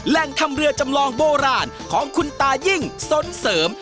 แหล่งทำเรือจำลองโบราณของคุณตายิ่งสนเสริม